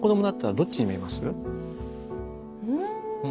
うん。